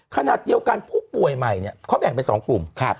ขนาดเดียวกันผู้ป่วยใหม่เนี่ยเขาแบ่งเป็น๒กลุ่ม